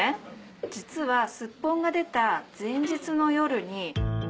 実はスッポンが出た前日の夜に。